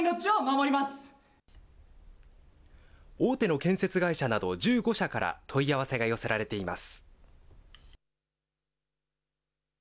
大手の建設会社など１５社から問い合わせが寄せられています。